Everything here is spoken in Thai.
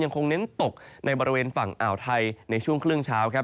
คงเน้นตกในบริเวณฝั่งอ่าวไทยในช่วงครึ่งเช้าครับ